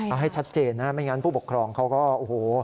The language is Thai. เอาให้ชัดเจนนะไม่งั้นผู้ปกครองเขาก็โอ้โห